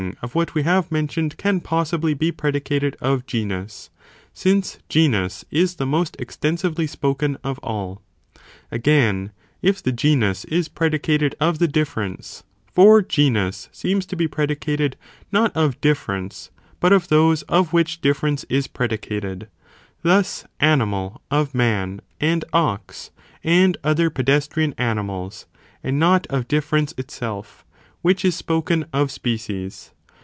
i : of what we have mentioned can possibly be pre dicated of genus, since genus is the most extensively spoken of all. Again, if the genus is predicated of the ὃ. ὧὲ κοπὰδ of difference, for genus seems to be predicated not of _ difference, but of those of which difference (is predicated) ; thus, animal of man, and ox, and other pedestrian animals, and not of difference itself, which is spoken of species.